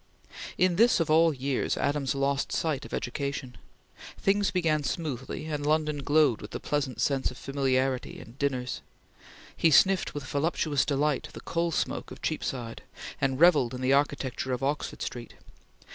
In this year of all years, Adams lost sight of education. Things began smoothly, and London glowed with the pleasant sense of familiarity and dinners. He sniffed with voluptuous delight the coal smoke of Cheapside and revelled in the architecture of Oxford Street.